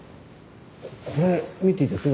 これ見ていいですか？